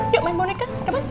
yuk main boneka kemana